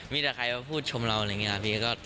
มีแต่ใครมาพูดชมเราอะไรอย่างนี้ครับพี่